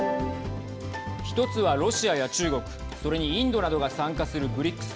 １つはロシアや中国それにインドなどが参加するＢＲＩＣＳ。